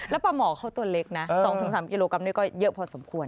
แล้วปลาหมอเขาตัวเล็กนะ๒๓กิโลกรัมนี่ก็เยอะพอสมควร